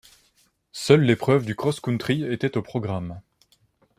Seule l'épreuve du cross-country était au programme.